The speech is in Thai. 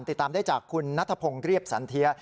ติดตามได้จากคุณนัทพงศ์เรียบสันเทีย